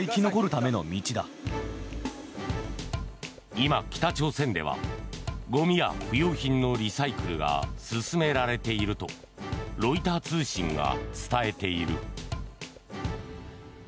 今、北朝鮮ではごみや不用品のリサイクルが勧められているとロイター通信が伝えている。